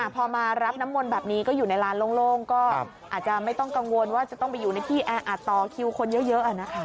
พอมารับน้ำมนต์แบบนี้ก็อยู่ในร้านโล่งก็อาจจะไม่ต้องกังวลว่าจะต้องไปอยู่ในที่แออัดต่อคิวคนเยอะนะคะ